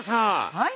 はい？